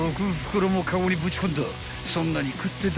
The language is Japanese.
［そんなに食って大丈夫？］